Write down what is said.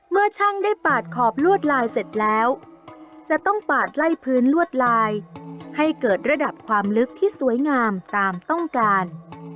เมื่อช่างได้ปาดขอบลวดลายเสร็จแล้วจะต้องปาดไล่พื้นลวดลายให้เกิดระดับความลึกที่สวยงามตามต้องการ